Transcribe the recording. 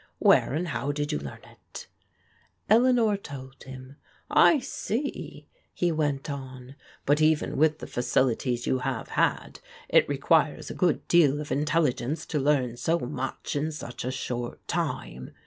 Where, and how did you learn it ?" Eleanor told him« " I see," he went on, " but even with the facilities you ■lave had, it requires a good deal of intelligence to learn aK) much in such a short time.